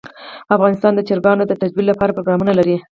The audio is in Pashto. افغانستان د چرګانو د ترویج لپاره پروګرامونه لري.